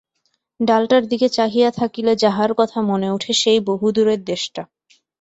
ডালটার দিকে চাহিয়া থাকিলে যাহার কথা মনে উঠে-সেই বহুদূরের দেশটা।